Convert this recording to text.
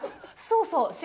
そうそう！